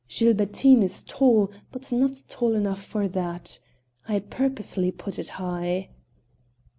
Gilbertine is tall, but not tall enough for that. I purposely put it high."